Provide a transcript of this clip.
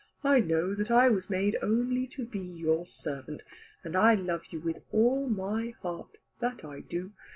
I know that I was made only to be your servant, and I love you with all my heart, that I do.